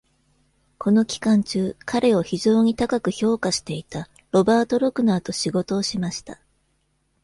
この期間中、彼を非常に高く評価していた、ロバート・ロクナーと仕事をしました。